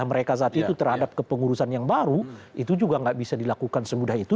mereka saat itu terhadap kepengurusan yang baru itu juga nggak bisa dilakukan semudah itu